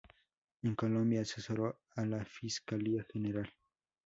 En Colombia, asesoró a la Fiscalía General.